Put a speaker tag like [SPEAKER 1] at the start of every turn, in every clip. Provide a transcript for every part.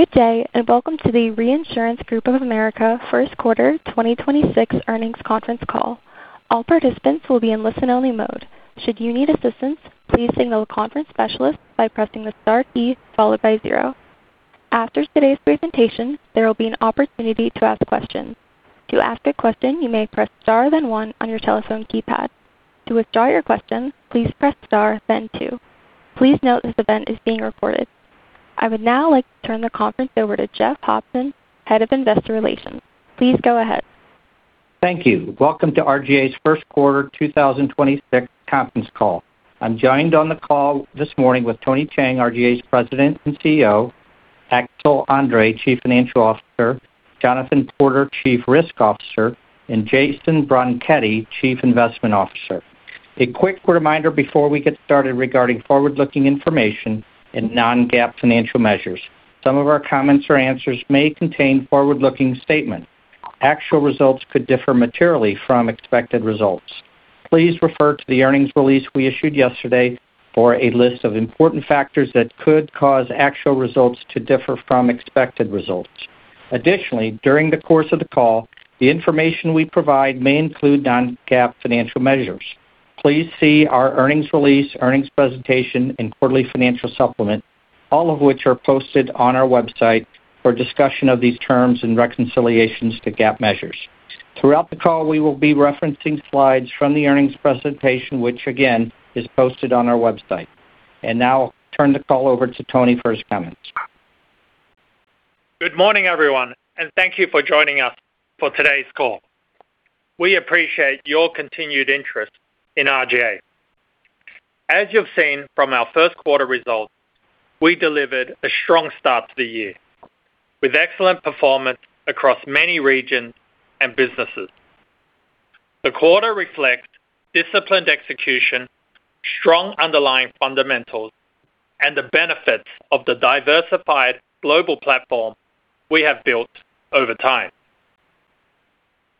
[SPEAKER 1] Good day. Welcome to the Reinsurance Group of America first quarter 2026 earnings conference call. All participants will be in listen-only mode. Should you need assistance, please signal conference specialist by pressing the star followed by zero. After today's presentation, there will be an opportunity to ask questions. To ask a question, you may press star then one on your telephone keypad. To withdraw your question, please press star then two. Please note this event is being recorded. I would now like to turn the conference over to Jeff Hopson, Head of Investor Relations. Please go ahead.
[SPEAKER 2] Thank you. Welcome to RGA's first quarter 2026 conference call. I'm joined on the call this morning with Tony Cheng, RGA's President and Chief Executive Officer; Axel André, Chief Financial Officer; Jonathan Porter, Chief Risk Officer; and Jayson Bronchetti, Chief Investment Officer. A quick reminder before we get started regarding forward-looking information and non-GAAP financial measures. Some of our comments or answers may contain forward-looking statements. Actual results could differ materially from expected results. Please refer to the earnings release we issued yesterday for a list of important factors that could cause actual results to differ from expected results. During the course of the call, the information we provide may include non-GAAP financial measures. Please see our earnings release, earnings presentation, and quarterly financial supplement, all of which are posted on our website for discussion of these terms and reconciliations to GAAP measures. Throughout the call, we will be referencing slides from the earnings presentation, which again is posted on our website. Now I'll turn the call over to Tony for his comments.
[SPEAKER 3] Good morning, everyone, and thank you for joining us for today's call. We appreciate your continued interest in RGA. As you've seen from our first quarter results, we delivered a strong start to the year with excellent performance across many regions and businesses. The quarter reflects disciplined execution, strong underlying fundamentals, and the benefits of the diversified global platform we have built over time.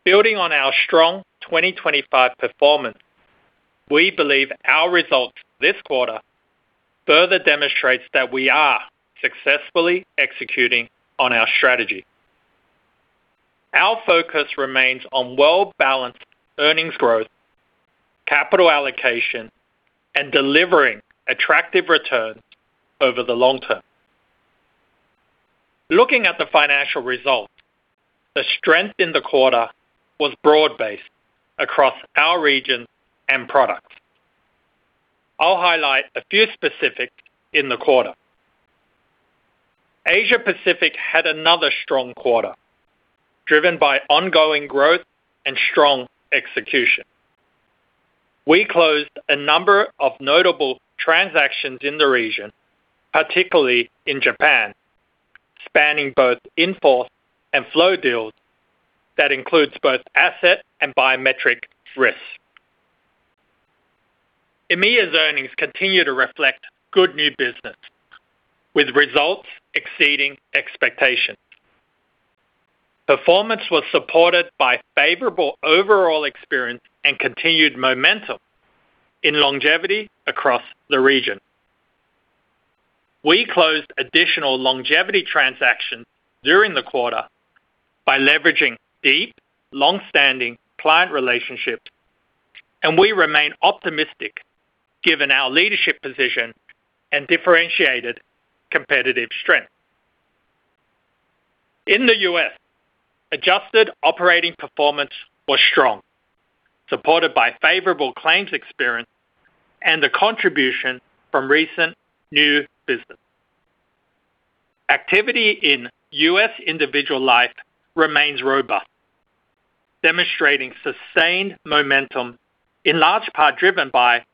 [SPEAKER 3] Building on our strong 2025 performance, we believe our results this quarter further demonstrates that we are successfully executing on our strategy. Our focus remains on well-balanced earnings growth, capital allocation, and delivering attractive returns over the long-term. Looking at the financial results, the strength in the quarter was broad-based across our regions and products. I'll highlight a few specifics in the quarter. Asia Pacific had another strong quarter, driven by ongoing growth and strong execution. We closed a number of notable transactions in the region, particularly in Japan, spanning both in-force and flow deals that includes both asset and biometric risk. EMEA's earnings continue to reflect good new business, with results exceeding expectations. Performance was supported by favorable overall experience and continued momentum in longevity across the region. We closed additional longevity transactions during the quarter by leveraging deep, long-standing client relationships. We remain optimistic given our leadership position and differentiated competitive strength. In the U.S., adjusted operating performance was strong, supported by favorable claims experience and the contribution from recent new business. Activity in U.S. individual life remains robust, demonstrating sustained momentum in large part driven by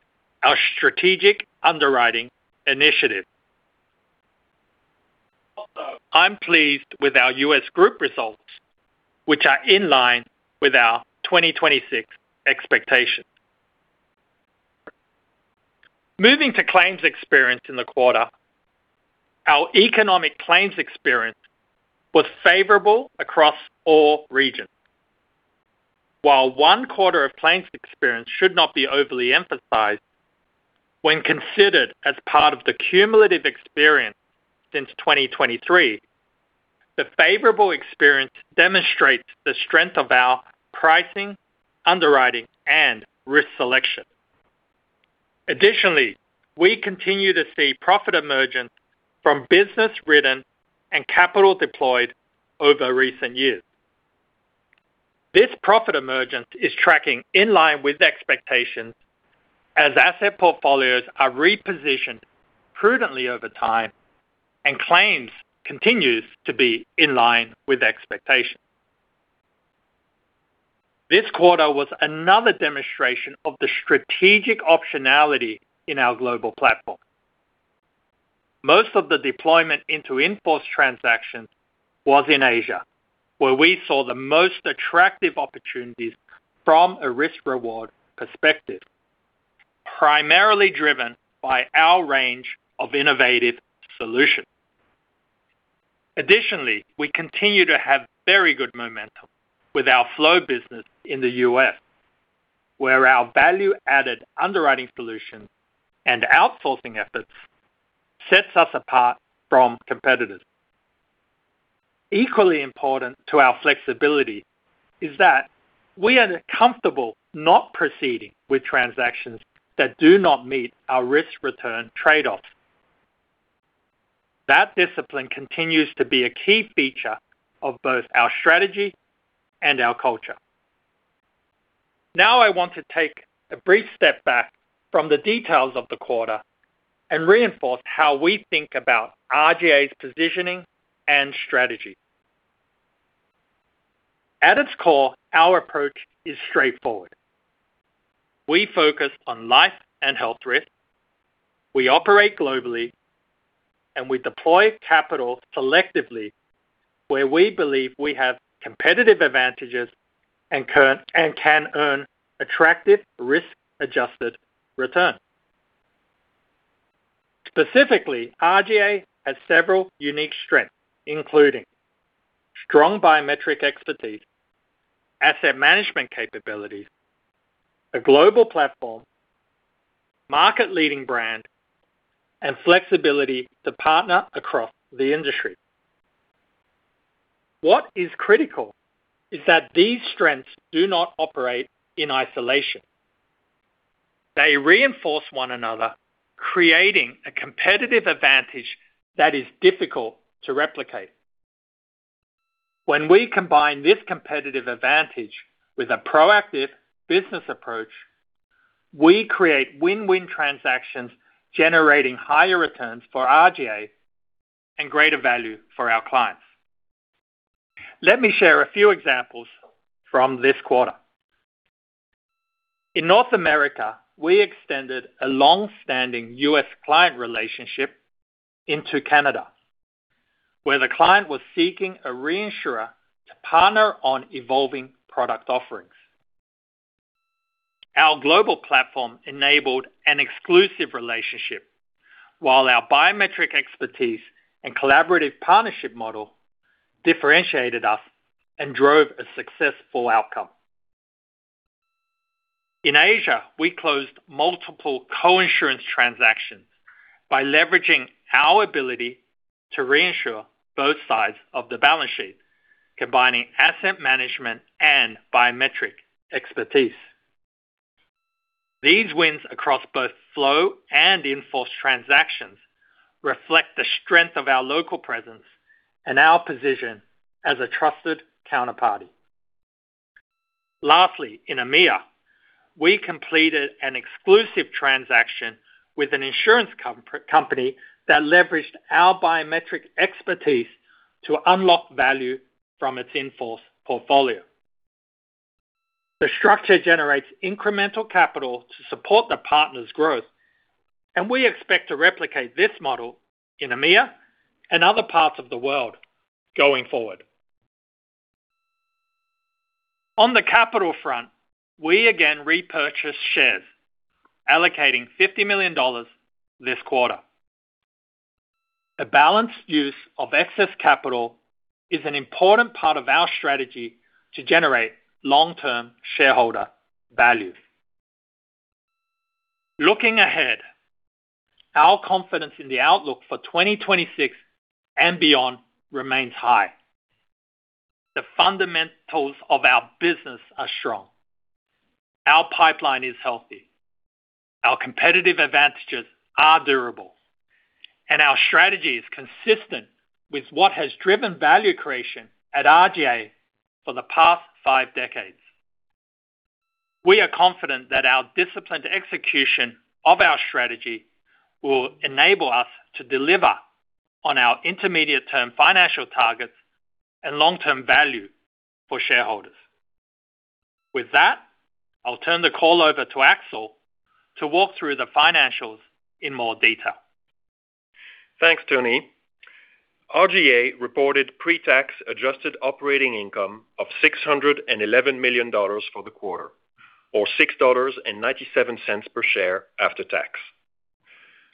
[SPEAKER 3] our strategic underwriting initiative. I'm pleased with our U.S. Group results, which are in line with our 2026 expectations. Moving to claims experience in the quarter, our economic claims experience was favorable across all regions. While one quarter of claims experience should not be overly emphasized, when considered as part of the cumulative experience since 2023, the favorable experience demonstrates the strength of our pricing, underwriting, and risk selection. Additionally, we continue to see profit emergence from business written and capital deployed over recent years. This profit emergence is tracking in line with expectations as asset portfolios are repositioned prudently over time and claims continues to be in line with expectations. This quarter was another demonstration of the strategic optionality in our global platform. Most of the deployment into in-force transactions was in Asia, where we saw the most attractive opportunities from a risk-reward perspective, primarily driven by our range of innovative solutions. We continue to have very good momentum with our flow business in the U.S., where our value-added underwriting solution and outsourcing efforts sets us apart from competitors. Equally important to our flexibility is that we are comfortable not proceeding with transactions that do not meet our risk return trade-offs. That discipline continues to be a key feature of both our strategy and our culture. I want to take a brief step back from the details of the quarter and reinforce how we think about RGA's positioning and strategy. At its core, our approach is straightforward. We focus on life and health risk. We operate globally, and we deploy capital selectively where we believe we have competitive advantages and can earn attractive risk-adjusted return. Specifically, RGA has several unique strengths, including strong biometric expertise, asset management capabilities, a global platform, market leading brand, and flexibility to partner across the industry. What is critical is that these strengths do not operate in isolation. They reinforce one another, creating a competitive advantage that is difficult to replicate. When we combine this competitive advantage with a proactive business approach, we create win-win transactions, generating higher returns for RGA and greater value for our clients. Let me share a few examples from this quarter. In North America, we extended a long-standing U.S. client relationship into Canada, where the client was seeking a reinsurer to partner on evolving product offerings. Our global platform enabled an exclusive relationship. While our biometric expertise and collaborative partnership model differentiated us and drove a successful outcome. In Asia, we closed multiple co-insurance transactions by leveraging our ability to reinsure both sides of the balance sheet, combining asset management and biometric expertise. These wins across both flow and in-force transactions reflect the strength of our local presence and our position as a trusted counterparty. Lastly, in EMEA, we completed an exclusive transaction with an insurance company that leveraged our biometric expertise to unlock value from its in-force portfolio. The structure generates incremental capital to support the partner's growth, and we expect to replicate this model in EMEA and other parts of the world going forward. On the capital front, we again repurchased shares allocating $50 million this quarter. A balanced use of excess capital is an important part of our strategy to generate long-term shareholder value. Looking ahead, our confidence in the outlook for 2026 and beyond remains high. The fundamentals of our business are strong. Our pipeline is healthy. Our competitive advantages are durable, and our strategy is consistent with what has driven value creation at RGA for the past five decades. We are confident that our disciplined execution of our strategy will enable us to deliver on our intermediate term financial targets and long-term value for shareholders. With that, I'll turn the call over to Axel to walk through the financials in more detail.
[SPEAKER 4] Thanks, Tony. RGA reported pre-tax adjusted operating income of $611 million for the quarter, or $6.97 per share after tax.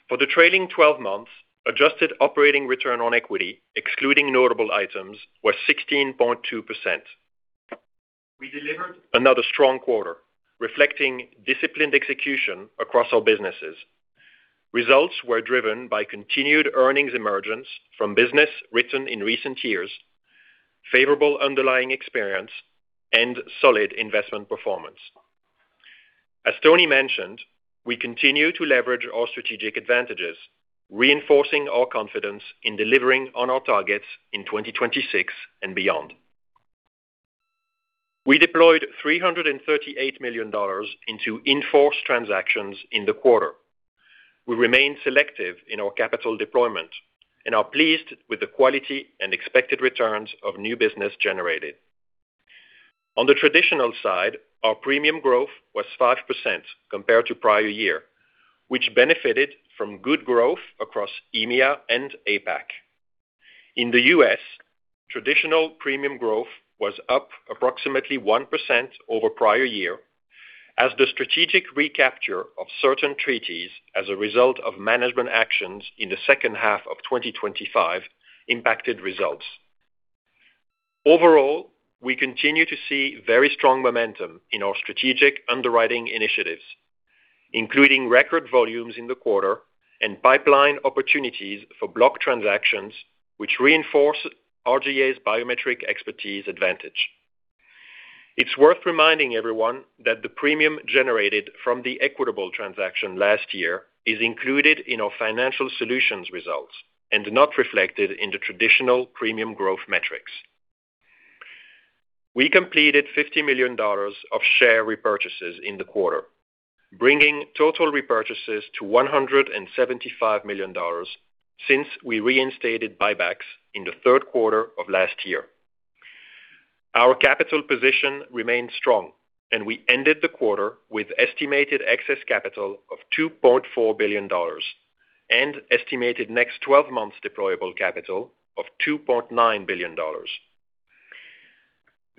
[SPEAKER 4] For the trailing 12 months, adjusted operating return on equity, excluding notable items, was 16.2%. We delivered another strong quarter reflecting disciplined execution across our businesses. Results were driven by continued earnings emergence from business written in recent years, favorable underlying experience, and solid investment performance. As Tony mentioned, we continue to leverage our strategic advantages, reinforcing our confidence in delivering on our targets in 2026 and beyond. We deployed $338 million into in-force transactions in the quarter. We remain selective in our capital deployment and are pleased with the quality and expected returns of new business generated. On the traditional side, our premium growth was 5% compared to prior year, which benefited from good growth across EMEA and APAC. In the U.S., traditional premium growth was up approximately 1% over prior year as the strategic recapture of certain treaties as a result of management actions in the second half of 2025 impacted results. We continue to see very strong momentum in our strategic underwriting initiatives, including record volumes in the quarter and pipeline opportunities for block transactions which reinforce RGA's biometric expertise advantage. It's worth reminding everyone that the premium generated from the Equitable transaction last year is included in our Financial Solutions results and not reflected in the traditional premium growth metrics. We completed $50 million of share repurchases in the quarter, bringing total repurchases to $175 million since we reinstated buybacks in the third quarter of last year. Our capital position remains strong, and we ended the quarter with estimated excess capital of $2.4 billion and estimated next 12 months deployable capital of $2.9 billion.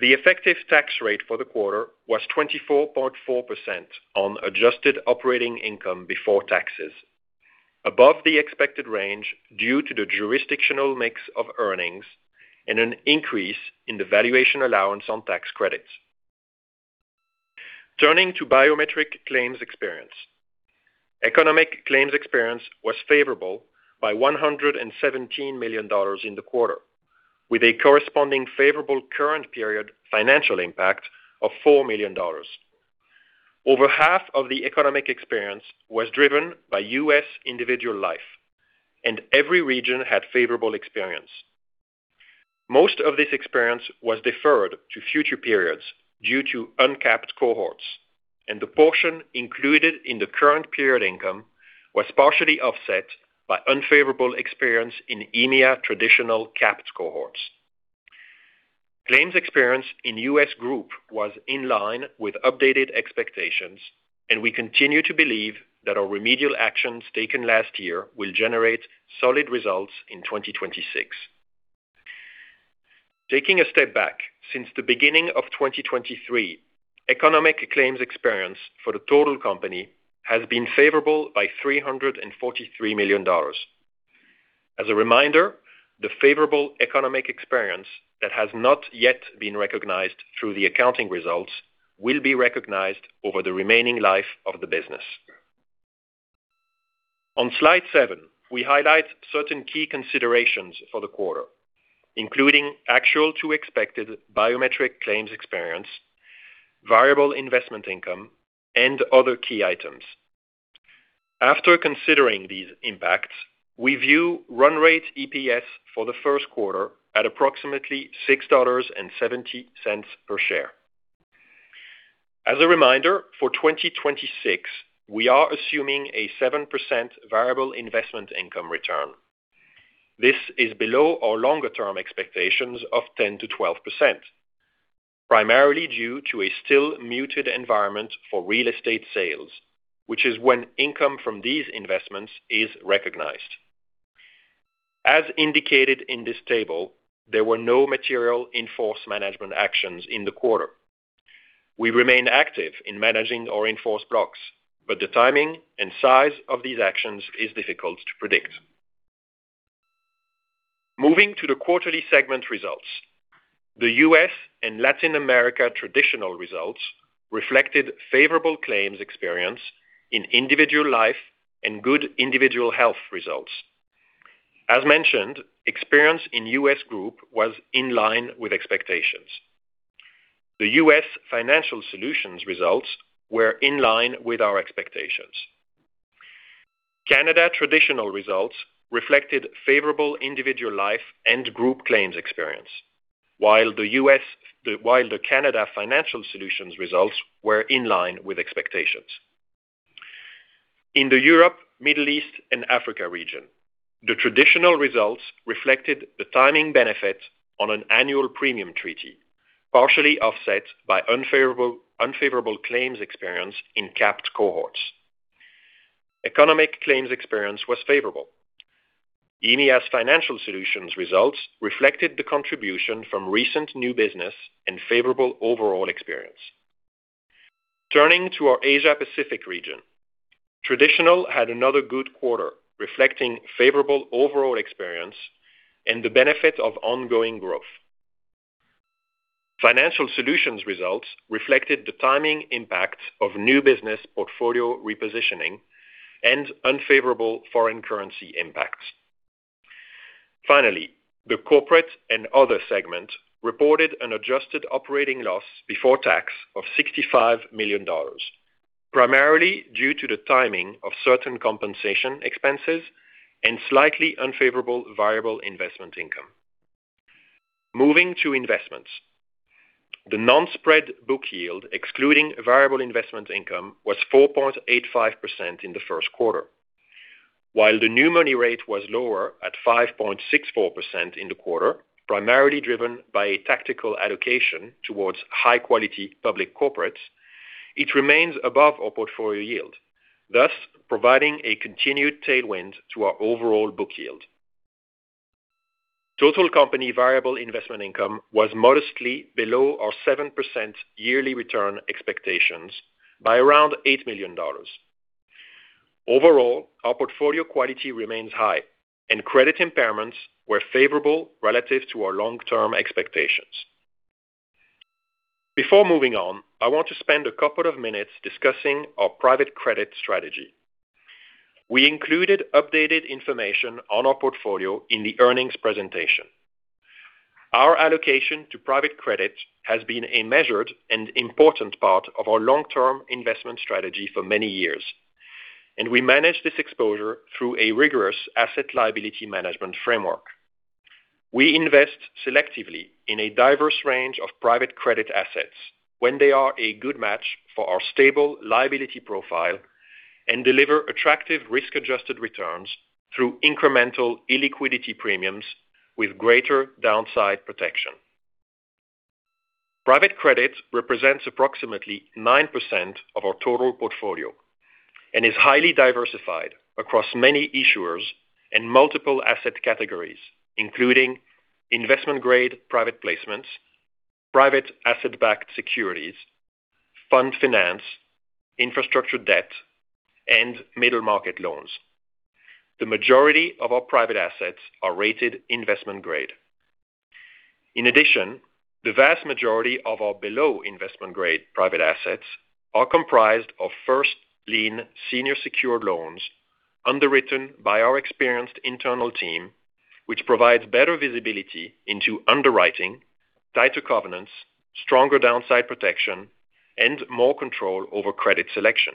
[SPEAKER 4] The effective tax rate for the quarter was 24.4% on adjusted operating income before taxes, above the expected range due to the jurisdictional mix of earnings and an increase in the valuation allowance on tax credits. Turning to biometric claims experience. Economic claims experience was favorable by $117 million in the quarter, with a corresponding favorable current period financial impact of $4 million. Over half of the economic experience was driven by U.S. individual life, and every region had favorable experience. Most of this experience was deferred to future periods due to uncapped cohorts, and the portion included in the current period income was partially offset by unfavorable experience in EMEA traditional capped cohorts. Claims experience in U.S. Group was in line with updated expectations, and we continue to believe that our remedial actions taken last year will generate solid results in 2026. Taking a step back, since the beginning of 2023, economic claims experience for the total company has been favorable by $343 million. As a reminder, the favorable economic experience that has not yet been recognized through the accounting results will be recognized over the remaining life of the business. On Slide seven, we highlight certain key considerations for the quarter, including actual to expected biometric claims experience, variable investment income, and other key items. After considering these impacts, we view run rate EPS for the first quarter at approximately $6.70 per share. As a reminder, for 2026, we are assuming a 7% variable investment income return. This is below our longer-term expectations of 10%-12%, primarily due to a still muted environment for real estate sales, which is when income from these investments is recognized. As indicated in this table, there were no material in-force management actions in the quarter. We remain active in managing our in-force blocks, but the timing and size of these actions is difficult to predict. Moving to the quarterly segment results. The U.S. and Latin America Traditional results reflected favorable claims experience in individual life and good individual health results. As mentioned, experience in U.S. Group was in line with expectations. The U.S. Financial Solutions results were in line with our expectations. Canada Traditional results reflected favorable individual life and group claims experience. While the Canada Financial Solutions results were in line with expectations. In the Europe, Middle East, and Africa region, the Traditional results reflected the timing benefit on an annual premium treaty, partially offset by unfavorable claims experience in capped cohorts. Economic claims experience was favorable. EMEA's Financial Solutions results reflected the contribution from recent new business and favorable overall experience. Turning to our Asia Pacific region, traditional had another good quarter, reflecting favorable overall experience and the benefit of ongoing growth. Financial Solutions results reflected the timing impact of new business portfolio repositioning and unfavorable foreign currency impacts. The Corporate and other segment reported an adjusted operating loss before tax of $65 million, primarily due to the timing of certain compensation expenses and slightly unfavorable variable investment income. Moving to Investments. The non-spread book yield, excluding variable investment income, was 4.85% in the first quarter. The new money rate was lower at 5.64% in the quarter, primarily driven by a tactical allocation towards high-quality public corporates, it remains above our portfolio yield, thus providing a continued tailwind to our overall book yield. Total company variable investment income was modestly below our 7% yearly return expectations by around $8 million. Our portfolio quality remains high, and credit impairments were favorable relative to our long-term expectations. Before moving on, I want to spend a couple of minutes discussing our private credit strategy. We included updated information on our portfolio in the earnings presentation. Our allocation to private credit has been a measured and important part of our long-term investment strategy for many years, and we manage this exposure through a rigorous asset liability management framework. We invest selectively in a diverse range of private credit assets when they are a good match for our stable liability profile and deliver attractive risk-adjusted returns through incremental illiquidity premiums with greater downside protection. Private credit represents approximately 9% of our total portfolio and is highly diversified across many issuers and multiple asset categories, including investment-grade private placements, private asset-backed securities, fund finance, infrastructure debt, and middle-market loans. The majority of our private assets are rated investment-grade. In addition, the vast majority of our below investment-grade private assets are comprised of first lien senior secured loans underwritten by our experienced internal team, which provides better visibility into underwriting, tighter governance, stronger downside protection, and more control over credit selection.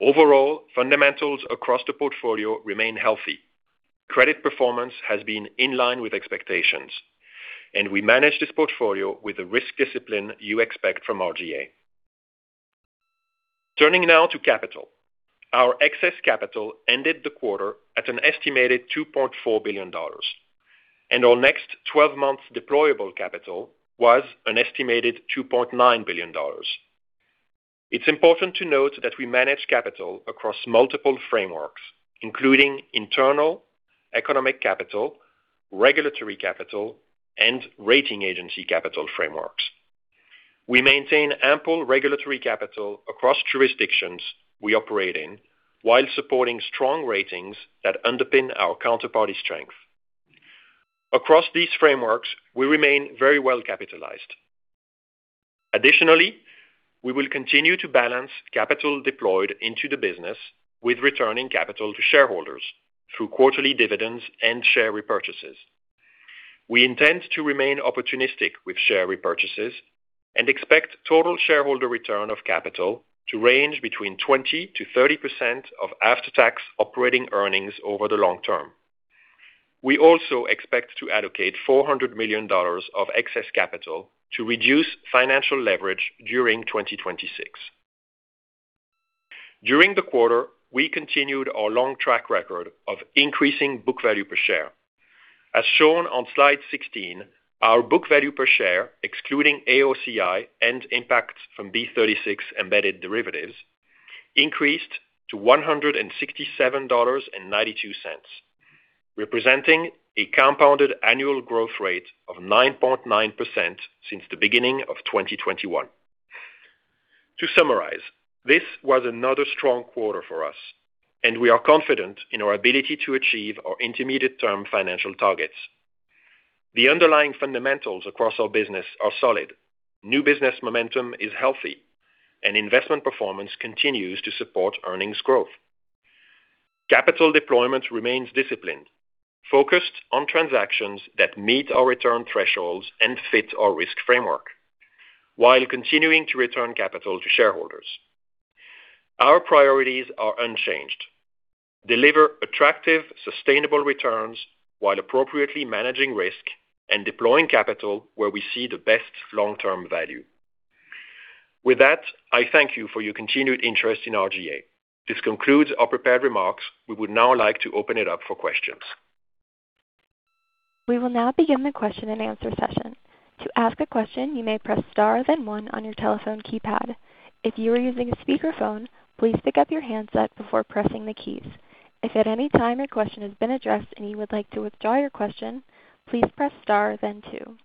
[SPEAKER 4] Overall, fundamentals across the portfolio remain healthy. Credit performance has been in line with expectations, and we manage this portfolio with the risk discipline you expect from RGA. Turning now to capital. Our excess capital ended the quarter at an estimated $2.4 billion, and our next 12 months deployable capital was an estimated $2.9 billion. It's important to note that we manage capital across multiple frameworks, including internal economic capital, regulatory capital, and rating agency capital frameworks. We maintain ample regulatory capital across jurisdictions we operate in while supporting strong ratings that underpin our counterparty strength. Across these frameworks, we remain very well-capitalized. Additionally, we will continue to balance capital deployed into the business with returning capital to shareholders through quarterly dividends and share repurchases. We intend to remain opportunistic with share repurchases and expect total shareholder return of capital to range between 20%-30% of after-tax operating earnings over the long-term. We also expect to allocate $400 million of excess capital to reduce financial leverage during 2026. During the quarter, we continued our long track record of increasing book value per share. As shown on Slide 16, our book value per share, excluding AOCI and impacts from DIG B36 embedded derivatives, increased to $167.92, representing a compounded annual growth rate of 9.9% since the beginning of 2021. To summarize, this was another strong quarter for us, and we are confident in our ability to achieve our intermediate-term financial targets. The underlying fundamentals across our business are solid. New business momentum is healthy, and investment performance continues to support earnings growth. Capital deployment remains disciplined, focused on transactions that meet our return thresholds and fit our risk framework while continuing to return capital to shareholders. Our priorities are unchanged. Deliver attractive, sustainable returns while appropriately managing risk and deploying capital where we see the best long-term value. With that, I thank you for your continued interest in RGA. This concludes our prepared remarks. We would now like to open it up for questions.
[SPEAKER 1] We will now begin the question-and-answer session. To ask a question, you may press star then one on your telephone keypad. If you are using a speakerphone, please pick up your handset before pressing the keys. If at any time your question has been addressed and you would like to withdraw your question, please press star then two.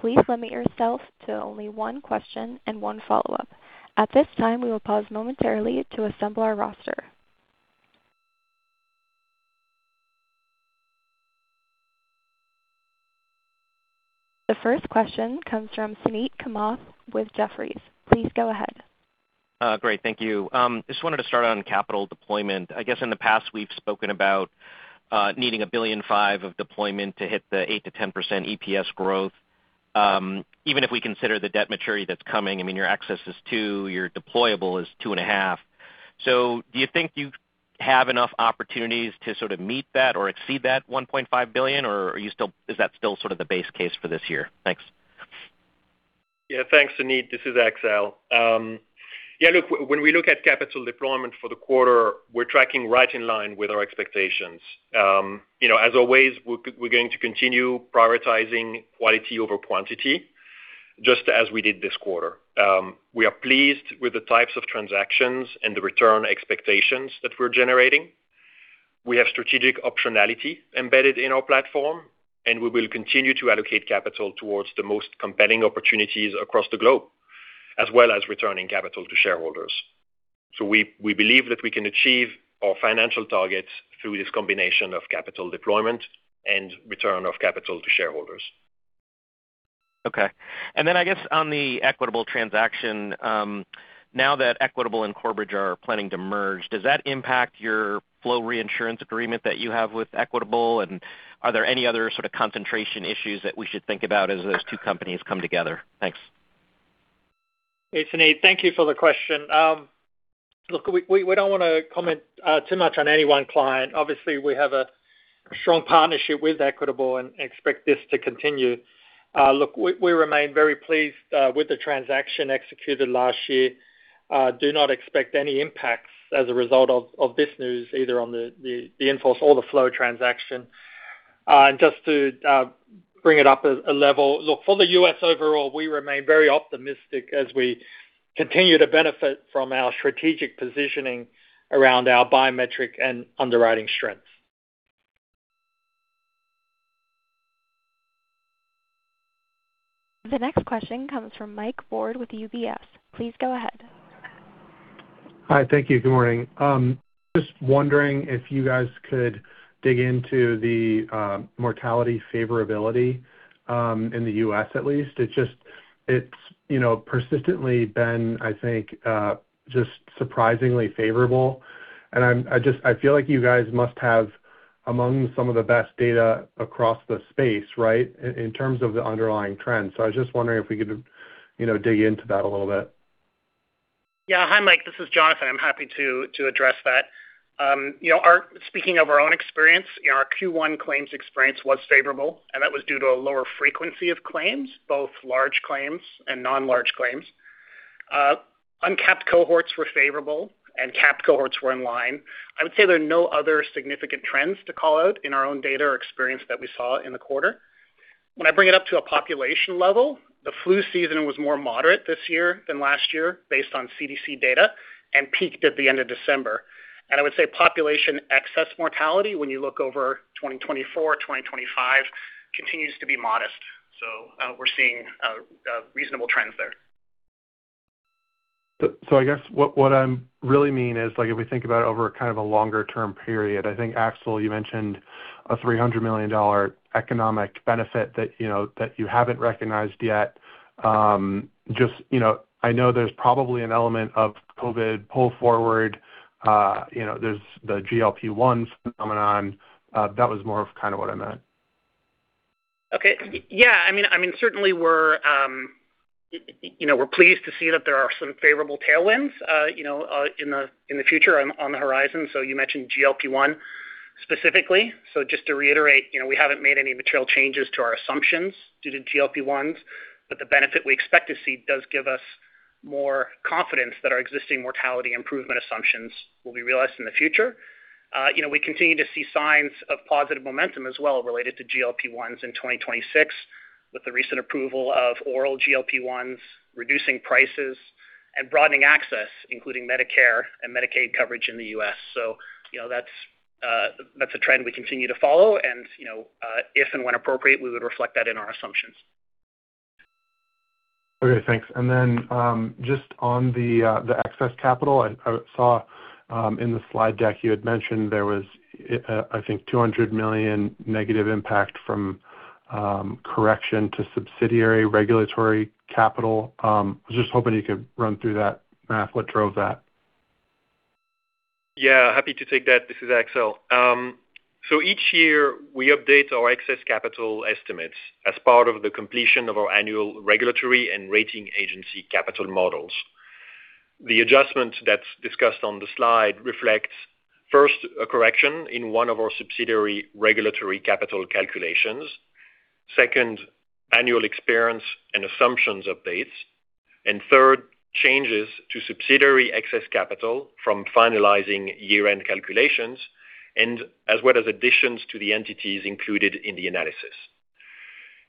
[SPEAKER 1] Please limit yourself to only one question and one follow-up. At this time, we'll pause momentarily to assemble our roster. The first question comes from Suneet Kamath with Jefferies. Please go ahead.
[SPEAKER 5] Great. Thank you. Just wanted to start on capital deployment. I guess in the past, we've spoken about needing $1.5 billion of deployment to hit the 8%-10% EPS growth. Even if we consider the debt maturity that's coming, I mean, your excess is $2 billion, your deployable is $2.5 billion. Do you think you have enough opportunities to meet that or exceed that $1.5 billion? Is that still the base case for this year? Thanks.
[SPEAKER 4] Thanks, Suneet. This is Axel. When we look at capital deployment for the quarter, we're tracking right in line with our expectations. You know, as always, we're going to continue prioritizing quality over quantity, just as we did this quarter. We are pleased with the types of transactions and the return expectations that we're generating. We have strategic optionality embedded in our platform, and we will continue to allocate capital towards the most compelling opportunities across the globe, as well as returning capital to shareholders. We believe that we can achieve our financial targets through this combination of capital deployment and return of capital to shareholders.
[SPEAKER 5] Okay. Then I guess on the Equitable transaction, now that Equitable and Corebridge are planning to merge, does that impact your flow reinsurance agreement that you have with Equitable? Are there any other sort of concentration issues that we should think about as those two companies come together? Thanks.
[SPEAKER 6] Hey, Suneet, thank you for the question. Look, we don't wanna comment too much on any one client. Obviously, we have a strong partnership with Equitable and expect this to continue. Look, we remain very pleased with the transaction executed last year. Do not expect any impacts as a result of this news, either on the in-force or the flow transaction. Just to bring it up a level. Look, for the U.S. overall, we remain very optimistic as we continue to benefit from our strategic positioning around our biometric and underwriting strengths.
[SPEAKER 1] The next question comes from Mike Ward with UBS. Please go ahead.
[SPEAKER 7] Hi. Thank you. Good morning. Just wondering if you guys could dig into the mortality favorability in the U.S. at least. It's, you know, persistently been, I think, just surprisingly favorable. I feel like you guys must have among some of the best data across the space, right, in terms of the underlying trends. I was just wondering if we could, you know, dig into that a little bit.
[SPEAKER 6] Yeah. Hi, Mike. This is Jonathan. I'm happy to address that. You know, speaking of our own experience, our Q1 claims experience was favorable, and that was due to a lower frequency of claims, both large claims and non-large claims. Uncapped cohorts were favorable, capped cohorts were in line. I would say there are no other significant trends to call out in our own data or experience that we saw in the quarter. When I bring it up to a population level, the flu season was more moderate this year than last year based on CDC data and peaked at the end of December. I would say population excess mortality, when you look over 2024, 2025, continues to be modest. We're seeing reasonable trends there.
[SPEAKER 7] I guess what I really mean is, like, if we think about over kind of a longer-term period, I think, Axel, you mentioned a $300 million economic benefit that, you know, that you haven't recognized yet. Just, you know, I know there's probably an element of COVID pull forward, you know, there's the GLP-1 phenomenon. That was more of kind of what I meant.
[SPEAKER 6] Okay. Yeah. I mean, certainly we're, you know, we're pleased to see that there are some favorable tailwinds, you know, in the future on the horizon. You mentioned GLP-1 specifically. Just to reiterate, you know, we haven't made any material changes to our assumptions due to GLP-1s, but the benefit we expect to see does give us more confidence that our existing mortality improvement assumptions will be realized in the future. You know, we continue to see signs of positive momentum as well related to GLP-1s in 2026, with the recent approval of oral GLP-1s, reducing prices and broadening access, including Medicare and Medicaid coverage in the U.S. You know, that's a trend we continue to follow. You know, if and when appropriate, we would reflect that in our assumptions.
[SPEAKER 7] Okay, thanks. Just on the excess capital, I saw in the slide deck you had mentioned there was, I think $200 million negative impact from correction to subsidiary regulatory capital. I was just hoping you could run through that math. What drove that?
[SPEAKER 4] Yeah, happy to take that. This is Axel. Each year we update our excess capital estimates as part of the completion of our annual regulatory and rating agency capital models. The adjustment that's discussed on the slide reflects first a correction in one of our subsidiary regulatory capital calculations. Second, annual experience and assumptions updates. Third, changes to subsidiary excess capital from finalizing year-end calculations and as well as additions to the entities included in the analysis.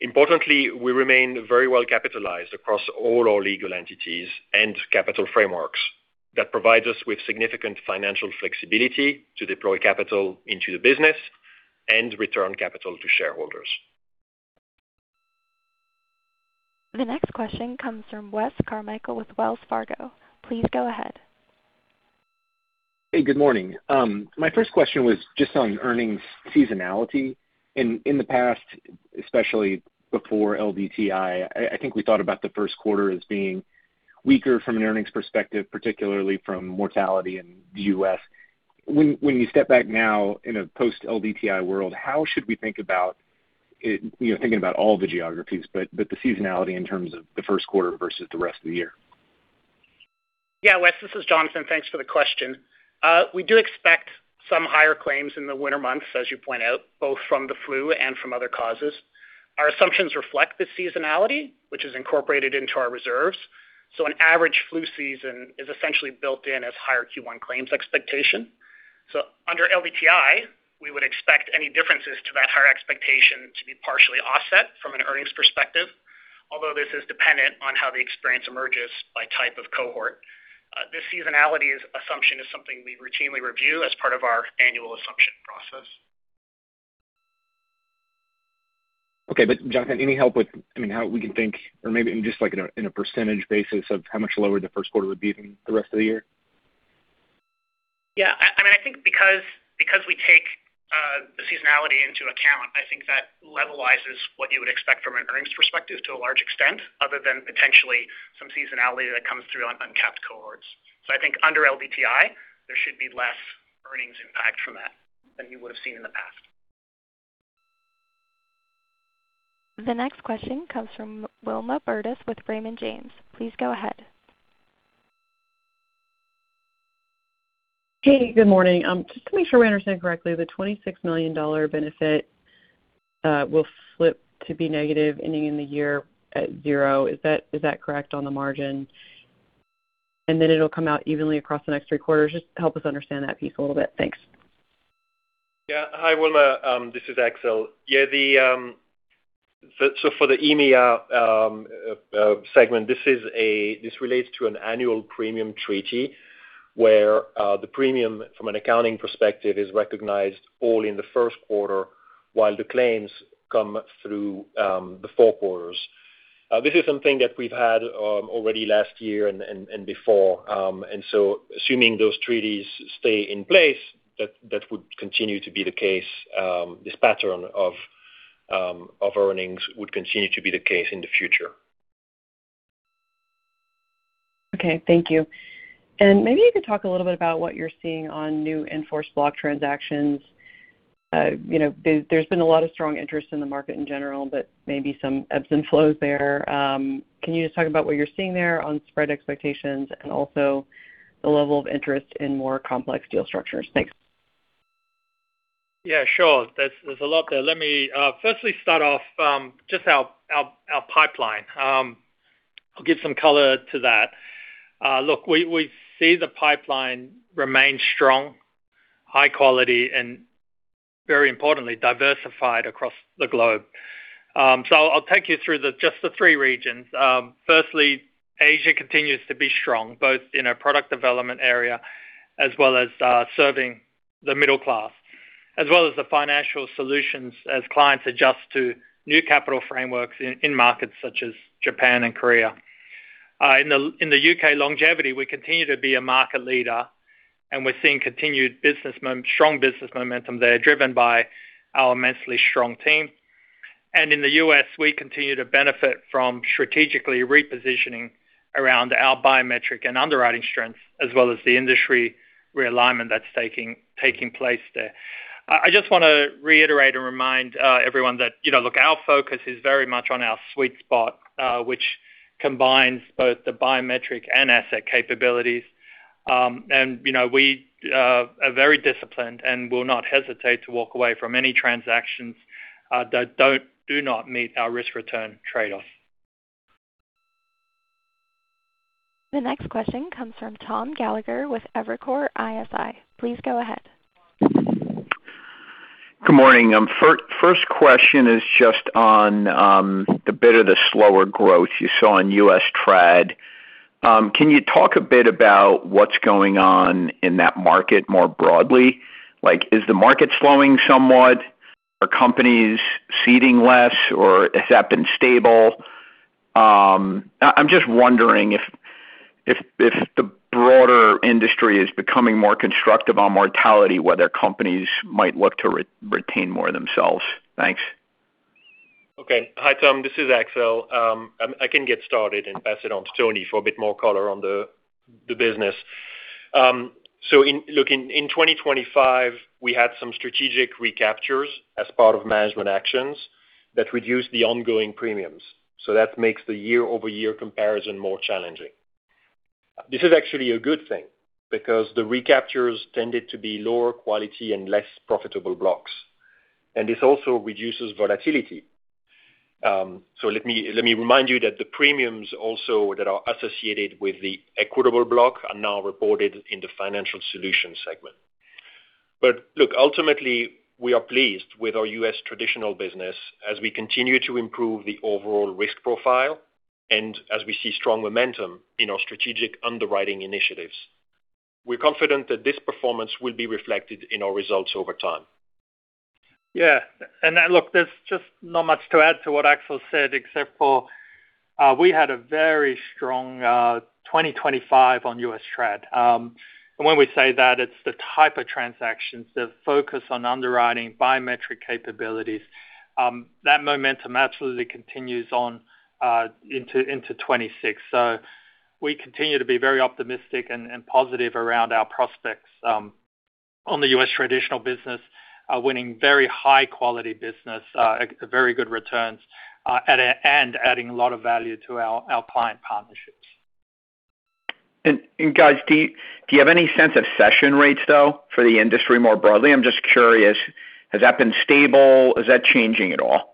[SPEAKER 4] Importantly, we remain very well capitalized across all our legal entities and capital frameworks. That provides us with significant financial flexibility to deploy capital into the business and return capital to shareholders.
[SPEAKER 1] The next question comes from Wes Carmichael with Wells Fargo. Please go ahead.
[SPEAKER 8] Hey, good morning. My first question was just on earnings seasonality. In the past, especially before LDTI, I think we thought about the first quarter as being weaker from an earnings perspective, particularly from mortality in the U.S. When you step back now in a post-LDTI world, how should we think about it, you know, thinking about all the geographies, but the seasonality in terms of the first quarter versus the rest of the year?
[SPEAKER 6] Yeah. Wes, this is Jonathan. Thanks for the question. We do expect some higher claims in the winter months, as you point out, both from the flu and from other causes. Our assumptions reflect the seasonality, which is incorporated into our reserves. An average flu season is essentially built in as higher Q1 claims expectation. Under LDTI, we would expect any differences to that higher expectation to be partially offset from an earnings perspective, although this is dependent on how the experience emerges by type of cohort. This seasonality assumption is something we routinely review as part of our annual assumption process.
[SPEAKER 8] Okay. Jonathan, any help with, I mean, how we can think or maybe just like in a percentage basis of how much lower the first quarter would be than the rest of the year?
[SPEAKER 6] Yeah. I mean, I think because we take the seasonality into account, I think that levelizes what you would expect from an earnings perspective to a large extent, other than potentially some seasonality that comes through on uncapped cohorts. I think under LDTI, there should be less earnings impact from that than you would have seen in the past.
[SPEAKER 1] The next question comes from Wilma Burdis with Raymond James. Please go ahead.
[SPEAKER 9] Hey, good morning. Just to make sure I understand correctly, the $26 million benefit will flip to be negative ending in the year at zero. Is that correct on the margin? Then it'll come out evenly across the next three quarters. Just help us understand that piece a little bit. Thanks.
[SPEAKER 4] Hi, Wilma. This is Axel. For the EMEA segment, this relates to an annual premium treaty where the premium from an accounting perspective is recognized all in the first quarter, while the claims come through the four quarters. This is something that we've had already last year and before. Assuming those treaties stay in place, that would continue to be the case. This pattern of earnings would continue to be the case in the future.
[SPEAKER 9] Okay. Thank you. Maybe you could talk a little bit about what you're seeing on new in-forced block transactions. You know, there's been a lot of strong interest in the market in general, but maybe some ebbs and flows there. Can you just talk about what you're seeing there on spread expectations and also the level of interest in more complex deal structures? Thanks.
[SPEAKER 3] Yeah, sure. There's a lot there. Let me firstly start off just our pipeline. I'll give some color to that. Look, we see the pipeline remain strong, high quality and very importantly, diversified across the globe. I'll take you through just the three regions. Firstly, Asia continues to be strong, both in our product development area as well as serving the middle class, as well as the Financial Solutions as clients adjust to new capital frameworks in markets such as Japan and Korea. In the U.K. longevity, we continue to be a market leader, we're seeing continued strong business momentum there, driven by our immensely strong team. In the U.S., we continue to benefit from strategically repositioning around our biometric and underwriting strengths, as well as the industry realignment that's taking place there. I just want to reiterate and remind everyone that, you know, look, our focus is very much on our sweet spot, which combines both the biometric and asset capabilities. You know, we are very disciplined and will not hesitate to walk away from any transactions that do not meet our risk-return trade-off.
[SPEAKER 1] The next question comes from Tom Gallagher with Evercore ISI. Please go ahead.
[SPEAKER 10] Good morning. First question is just on the bit of the slower growth you saw in U.S. Traditional. Can you talk a bit about what's going on in that market more broadly? Like, is the market slowing somewhat? Are companies ceding less or has that been stable? I'm just wondering if the broader industry is becoming more constructive on mortality, whether companies might look to re-retain more themselves. Thanks.
[SPEAKER 4] Okay. Hi, Tom. This is Axel. I can get started and pass it on to Tony for a bit more color on the business. In 2025, we had some strategic recaptures as part of management actions that reduced the ongoing premiums. That makes the year-over-year comparison more challenging. This is actually a good thing because the recaptures tended to be lower quality and less profitable blocks, and this also reduces volatility. Let me remind you that the premiums also that are associated with the Equitable block are now reported in the Financial Solutions segment. Look, ultimately, we are pleased with our U.S. Traditional business as we continue to improve the overall risk profile and as we see strong momentum in our strategic underwriting initiatives. We're confident that this performance will be reflected in our results over time.
[SPEAKER 3] Yeah. Look, there's just not much to add to what Axel said except for we had a very strong 2025 on U.S. Trad. When we say that, it's the type of transactions, the focus on underwriting biometric capabilities, that momentum absolutely continues on into 2026. We continue to be very optimistic and positive around our prospects on the U.S. Traditional business, winning very high quality business, very good returns, and adding a lot of value to our client partnerships.
[SPEAKER 10] Guys, do you have any sense of cession rates though for the industry more broadly? I'm just curious, has that been stable? Is that changing at all?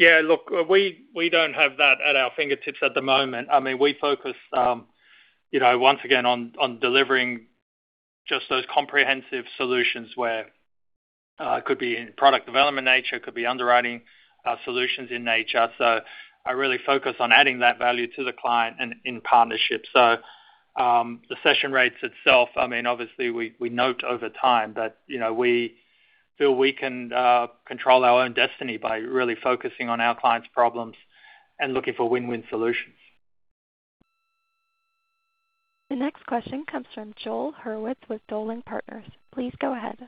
[SPEAKER 3] Yeah, look, we don't have that at our fingertips at the moment. I mean, we focus, you know, once again on delivering just those comprehensive solutions where, it could be in product development nature, it could be underwriting, solutions in nature. I really focus on adding that value to the client and in partnership. The cession rates itself, I mean, obviously we note over time, but, you know, we feel we can control our own destiny by really focusing on our clients' problems and looking for win-win solutions.
[SPEAKER 1] The next question comes from Joe Hurwitz with Dowling & Partners. Please go ahead.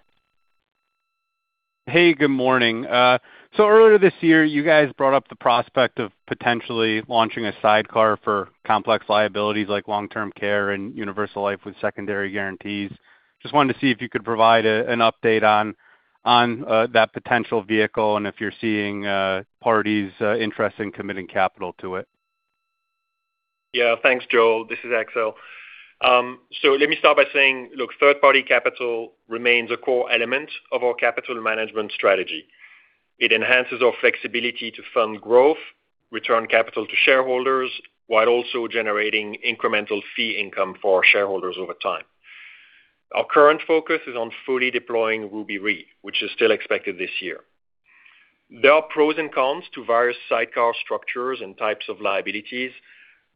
[SPEAKER 11] Hey, good morning. Earlier this year, you guys brought up the prospect of potentially launching a sidecar for complex liabilities like long-term care and universal life with secondary guarantees. I just wanted to see if you could provide an update on that potential vehicle and if you're seeing parties interest in committing capital to it.
[SPEAKER 4] Thanks, Joe. This is Axel. Let me start by saying, look, third-party capital remains a core element of our capital management strategy. It enhances our flexibility to fund growth, return capital to shareholders, while also generating incremental fee income for our shareholders over time. Our current focus is on fully deploying Ruby Re, which is still expected this year. There are pros and cons to various sidecar structures and types of liabilities,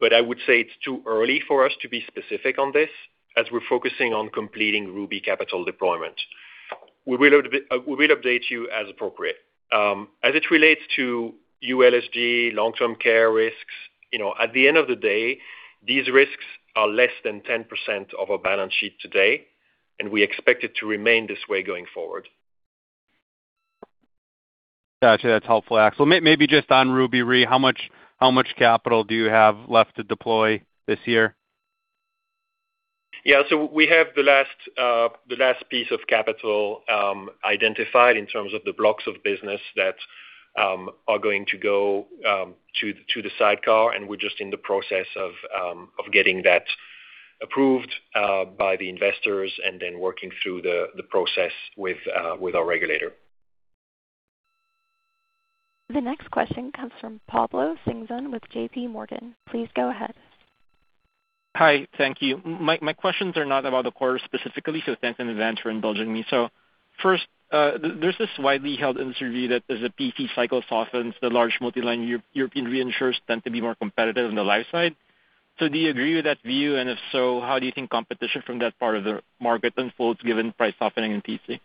[SPEAKER 4] but I would say it's too early for us to be specific on this as we're focusing on completing Ruby capital deployment. We will update you as appropriate. As it relates to ULSG long-term care risks, you know, at the end of the day, these risks are less than 10% of our balance sheet today, and we expect it to remain this way going forward.
[SPEAKER 11] Got you. That's helpful, Axel. Maybe just on Ruby Re, how much capital do you have left to deploy this year
[SPEAKER 4] We have the last piece of capital identified in terms of the blocks of business that are going to go to the sidecar, and we're just in the process of getting that approved by the investors and then working through the process with our regulator.
[SPEAKER 1] The next question comes from Pablo Singzon with J.P. Morgan. Please go ahead.
[SPEAKER 12] Hi, thank you. My questions are not about the quarter specifically, so thanks in advance for indulging me. First, there's this widely held industry view that as the P&C cycle softens, the large multi-line European reinsurers tend to be more competitive on the life side. Do you agree with that view? If so, how do you think competition from that part of the market unfolds given price softening in P&C?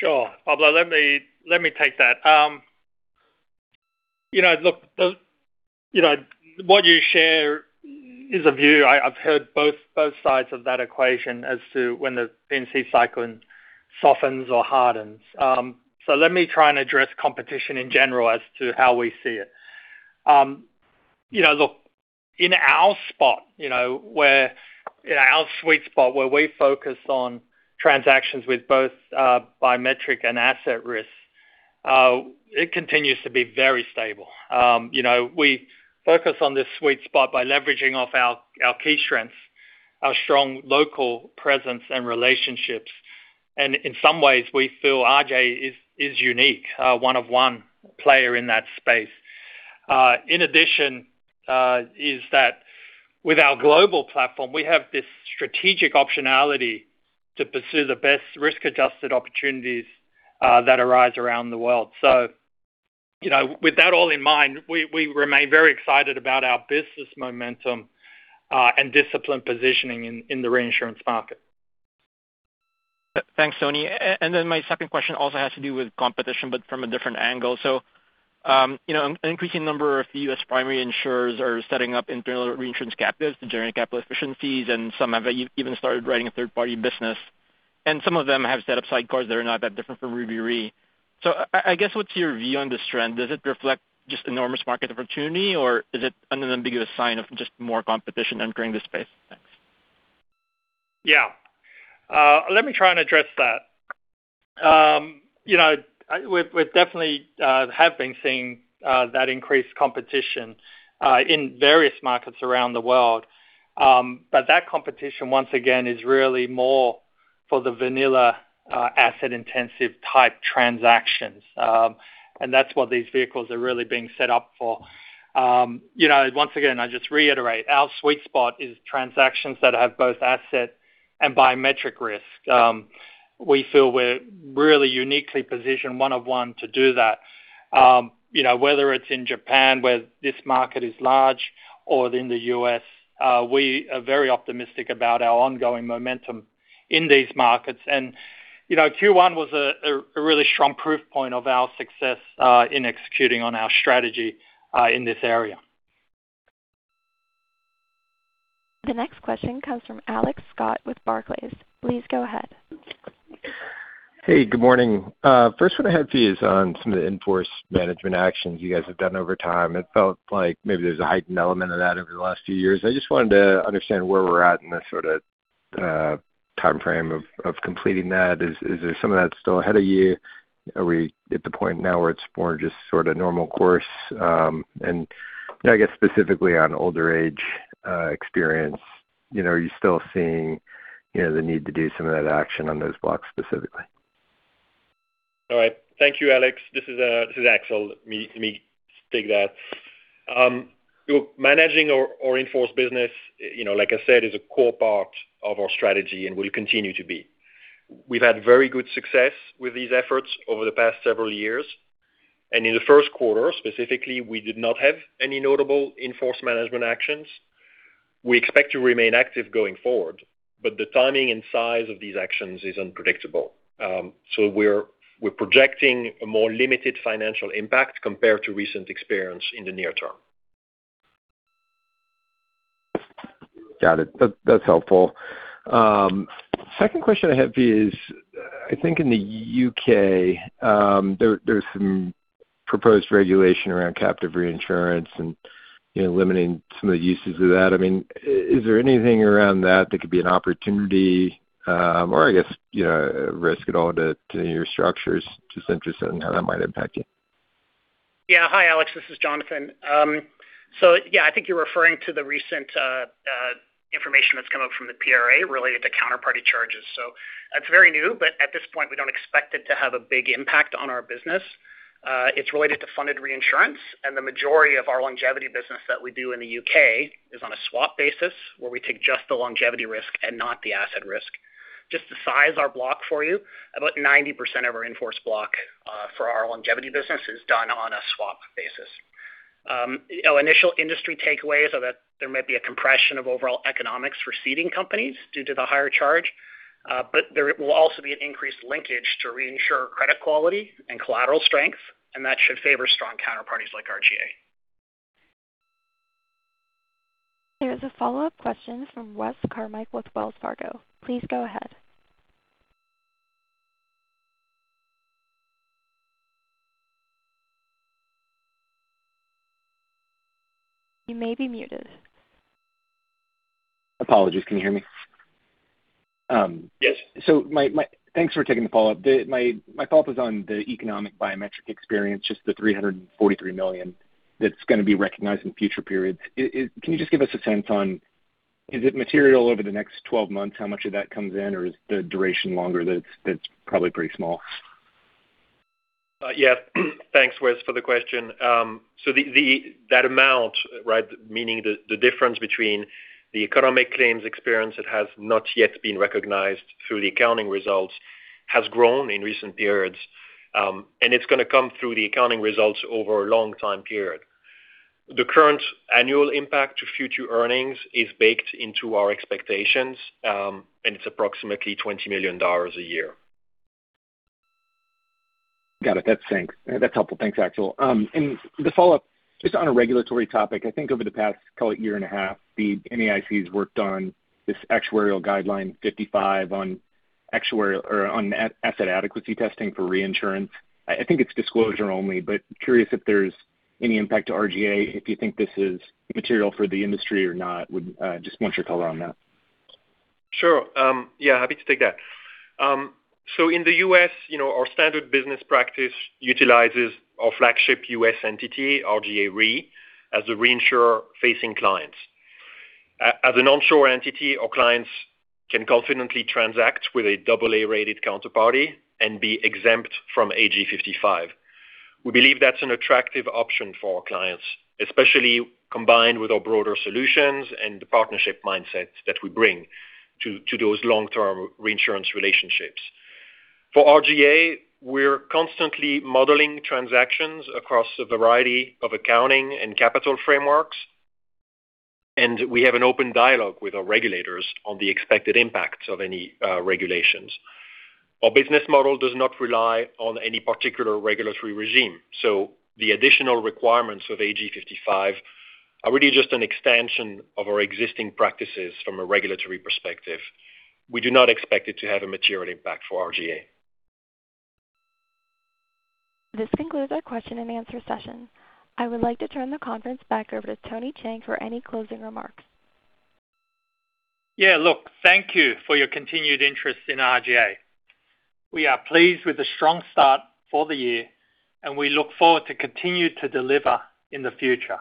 [SPEAKER 3] Sure. Pablo, let me take that. You know, look, what you share is a view I've heard both sides of that equation as to when the P&C cycle softens or hardens. Let me try and address competition in general as to how we see it. You know, look, in our spot, you know, where in our sweet spot, where we focus on transactions with both biometric and asset risks, it continues to be very stable. You know, we focus on this sweet spot by leveraging off our key strengths, our strong local presence and relationships. In some ways, we feel RGA is unique, one of one player in that space. In addition, is that with our global platform, we have this strategic optionality to pursue the best risk-adjusted opportunities that arise around the world. You know, with that all in mind, we remain very excited about our business momentum and disciplined positioning in the reinsurance market.
[SPEAKER 12] Thanks, Tony. And then my second question also has to do with competition, but from a different angle. You know, an increasing number of U.S. primary insurers are setting up internal reinsurance captives to generate capital efficiencies, and some have even started writing a third-party business. And some of them have set up sidecars that are not that different from Ruby Re. I guess what's your view on this trend? Does it reflect just enormous market opportunity, or is it an ambiguous sign of just more competition entering the space? Thanks.
[SPEAKER 3] Yeah. Let me try and address that. You know, we definitely have been seeing that increased competition in various markets around the world. That competition, once again, is really more for the vanilla, asset-intensive type transactions. That's what these vehicles are really being set up for. You know, once again, I just reiterate, our sweet spot is transactions that have both asset and biometric risk. We feel we're really uniquely positioned one of one to do that. You know, whether it's in Japan, where this market is large, or in the U.S., we are very optimistic about our ongoing momentum in these markets. You know, Q1 was a really strong proof point of our success in executing on our strategy in this area.
[SPEAKER 1] The next question comes from Alex Scott with Barclays. Please go ahead.
[SPEAKER 13] Hey, good morning. First one I have for you is on some of the in-force management actions you guys have done over time. It felt like maybe there's a heightened element of that over the last few years. I just wanted to understand where we're at in the sort of timeframe of completing that. Is there some of that still ahead of you? Are we at the point now where it's more just sort of normal course? You know, I guess specifically on older age experience, you know, are you still seeing, you know, the need to do some of that action on those blocks specifically?
[SPEAKER 4] All right. Thank you, Alex. This is Axel. Let me take that. Look, managing our in-force business, you know, like I said, is a core part of our strategy and will continue to be. We've had very good success with these efforts over the past several years. In the first quarter, specifically, we did not have any notable in-force management actions. We expect to remain active going forward, but the timing and size of these actions is unpredictable. We're projecting a more limited financial impact compared to recent experience in the near-term.
[SPEAKER 13] Got it. That's helpful. Second question I have is, I think in the U.K., there's some proposed regulation around captive reinsurance and, you know, limiting some of the uses of that. I mean, is there anything around that that could be an opportunity, or I guess, you know, a risk at all to your structures? Just interested in how that might impact you.
[SPEAKER 6] Hi, Alex. This is Jonathan. I think you're referring to the recent information that's come up from the PRA related to counterparty charges. It's very new, but at this point we don't expect it to have a big impact on our business. It's related to funded reinsurance, and the majority of our longevity business that we do in the U.K. is on a swap basis where we take just the longevity risk and not the asset risk. Just to size our block for you, about 90% of our in-force block for our Longevity business is done on a swap basis. Initial industry takeaways are that there might be a compression of overall economics for ceding companies due to the higher charge, but there will also be an increased linkage to reinsure credit quality and collateral strength, and that should favor strong counterparties like RGA.
[SPEAKER 1] There's a follow-up question from Wes Carmichael with Wells Fargo. Please go ahead. You may be muted.
[SPEAKER 8] Apologies. Can you hear me?
[SPEAKER 4] Yes.
[SPEAKER 8] Thanks for taking the follow-up. My follow-up is on the economic biometric experience, just the $343 million that's going to be recognized in future periods. Can you just give us a sense on is it material over the next 12 months how much of that comes in, or is the duration longer that's probably pretty small?
[SPEAKER 4] Yeah. Thanks, Wes, for the question. That amount, right? Meaning the difference between the economic claims experience that has not yet been recognized through the accounting results has grown in recent periods, and it's gonna come through the accounting results over a long time period. The current annual impact to future earnings is baked into our expectations, and it's approximately $20 million a year.
[SPEAKER 8] Got it. Thanks. That's helpful. Thanks, Axel. The follow-up is on a regulatory topic. I think over the past call it year and a half, the NAIC has worked on this Actuarial Guideline 55 on actuarial or on asset adequacy testing for reinsurance. I think it's disclosure only, but curious if there's any impact to RGA if you think this is material for the industry or not. Would just want your color on that.
[SPEAKER 4] Sure. Yeah, happy to take that. So in the U.S., you know, our standard business practice utilizes our flagship U.S. entity, RGA Re, as a reinsurer facing clients. As an onshore entity, our clients can confidently transact with a AA-rated counterparty and be exempt from AG 55. We believe that's an attractive option for our clients, especially combined with our broader solutions and the partnership mindset that we bring to those long-term reinsurance relationships. For RGA, we're constantly modeling transactions across a variety of accounting and capital frameworks, and we have an open dialogue with our regulators on the expected impacts of any regulations. Our business model does not rely on any particular regulatory regime, so the additional requirements of AG 55 are really just an extension of our existing practices from a regulatory perspective. We do not expect it to have a material impact for RGA.
[SPEAKER 1] This concludes our question and answer session. I would like to turn the conference back over to Tony Cheng for any closing remarks.
[SPEAKER 3] Yeah. Look, thank you for your continued interest in RGA. We are pleased with the strong start for the year, and we look forward to continue to deliver in the future.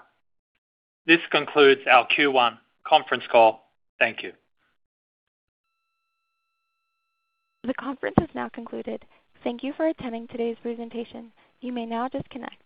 [SPEAKER 3] This concludes our Q1 conference call. Thank you.
[SPEAKER 1] The conference is now concluded. Thank you for attending today's presentation. You may now disconnect.